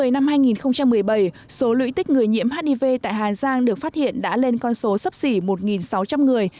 năm hai nghìn một mươi bảy số lũy tích người nhiễm hiv tại hà giang được phát hiện đã lên con số sấp xỉ một sáu trăm linh người